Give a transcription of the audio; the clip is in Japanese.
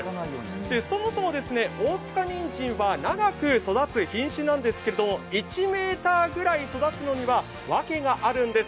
そもそも大塚にんじんは長く育つ品種なんですけれども１ｍぐらい育つのにはわけがあるんです。